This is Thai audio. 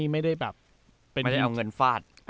ไม่ได้เอาเงินฝาด